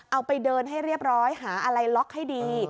เอาไปเดินให้เรียบร้อยหาอะไรล็อกให้ดี